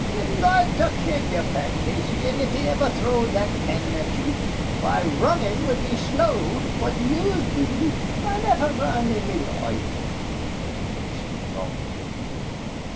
He'd loike to kill yez, Pat Casey, an' if he ever throwed thot cannon at yez, why, runnin' 'd be slow to phwat yez 'd do." "I niver run in me loife," declared Casey, doggedly.